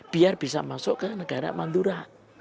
biar bisa masuk ke negara mandura